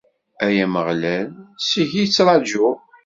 Ay Ameɣlal, seg-k i ttraǧuɣ.